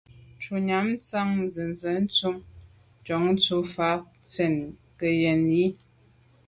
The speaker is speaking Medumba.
Shutnyàm tshan nzenze ntùm njon dù’ fa fèn ke yen i.